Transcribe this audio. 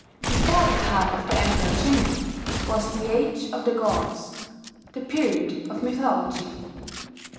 Before the time of the Emperor Jimmu was the Age of the Gods, the period of mythology.